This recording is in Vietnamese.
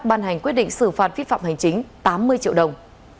ban hành quyết định xử phạt viếp phạm hành chính tám mươi triệu đồng